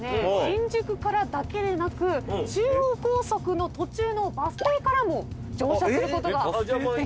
新宿からだけでなく中央高速の途中のバス停からも乗車することができます。